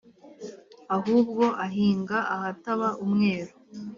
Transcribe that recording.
ahubwo ahinga ahataba umwero